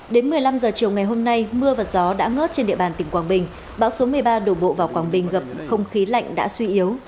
đến một mươi năm h chiều ngày hôm nay mưa và gió đã ngớt trên địa bàn tỉnh quảng bình bão số một mươi ba đổ bộ vào quảng bình gặp không khí lạnh đã suy yếu